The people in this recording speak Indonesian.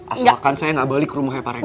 asalkan saya gak balik ke rumah pak regar